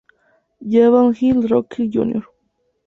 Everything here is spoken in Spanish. Llewellyn H Rockwell Jr.